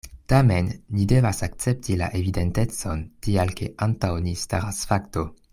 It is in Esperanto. Tamen ni devas akcepti la evidentecon, tial ke antaŭ ni staras fakto.